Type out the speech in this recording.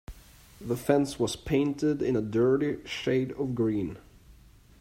The fence was painted in a dirty shade of green.